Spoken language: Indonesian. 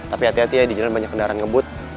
tapi hati hati ya di jalan banyak kendaraan ngebut